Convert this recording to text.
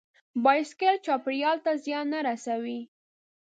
بایسکل چاپېریال ته زیان نه رسوي.